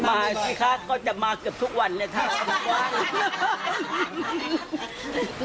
มาสิคะก็จะมาเกือบทุกวันนะครับ